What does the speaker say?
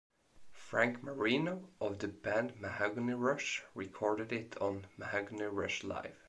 Frank Marino, of the band Mahogany Rush, recorded it on "Mahogany Rush Live".